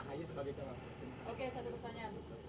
ahy sebagai jawabannya